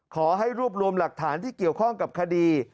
ขอให้รวบรวมหลักฐานที่เกี่ยวข้องกับคดี